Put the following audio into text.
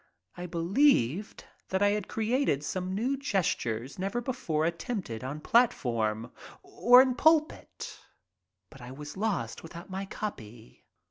I believed that I had created some new gestures never before attempted on platform, or in pulpit, but I was lost without my copy.